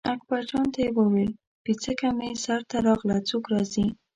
اکبرجان ته یې وویل پیڅکه مې سر ته راغله څوک راځي.